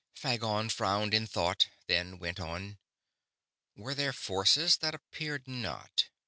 Phagon frowned in thought, then went on: "Were there forces that appeared not...?